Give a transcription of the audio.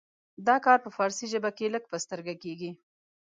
دا کار په فارسي ژبه کې لږ په سترګه کیږي.